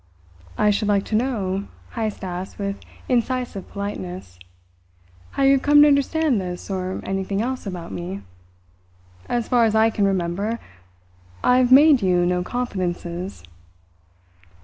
"I should like to know," Heyst asked with incisive politeness, "how you have come to understand this or anything else about me? As far as I can remember, I've made you no confidences."